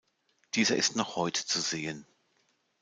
Dieser ist noch heute zu sehen.